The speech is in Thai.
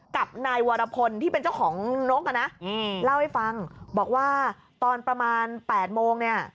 กับนายวรพลที่เป็นเจ้าของนกอ่ะนะเล่าให้ฟังบอกว่าตอนประมาณ๘โมงเนี่ย